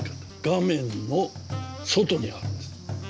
画面の外にあるんです。